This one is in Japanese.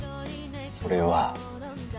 それは。